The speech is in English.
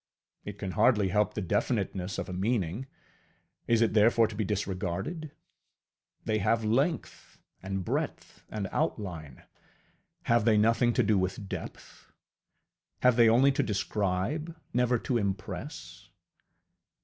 It can hardly help the definiteness of a meaning: is it therefore to be disregarded? They have length, and breadth, and outline: have they nothing to do with depth? Have they only to describe, never to impress?